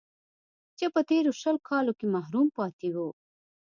چې په تېرو شل کالو کې محروم پاتې و